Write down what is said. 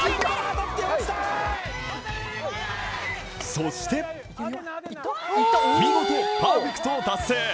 そして、見事パーフェクトを達成！